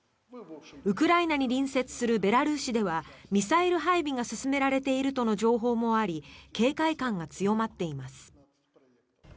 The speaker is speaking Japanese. ウクライナに隣接するベラルーシではミサイル配備が進められているとの情報もあり警戒感が強まっています。